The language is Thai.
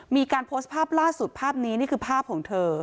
มีการโพสต์ภาพล่าสุดภาพนี้นี่คือภาพของเธอ